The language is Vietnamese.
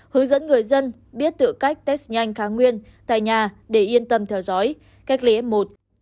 hướng dẫn người dân biết tự cách test nhanh kháng nguyên tại nhà để yên tâm theo dõi cách ly f một